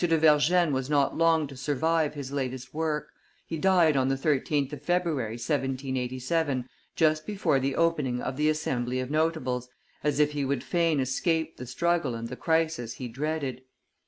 de Vergennes was not long to survive his latest work: he died on the 13th of February, 1787, just before the opening of the Assembly of Notables, as if he would fain escape the struggle and the crisis he dreaded.